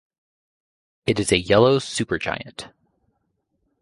It is a yellow supergiant.